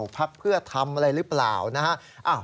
พักเพื่อทำอะไรหรือเปล่านะฮะ